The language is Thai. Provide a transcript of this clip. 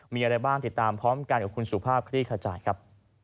มีอะไรบ้างติดตามพร้อมกันกับคุณสุภาพคลี่ขจายครับ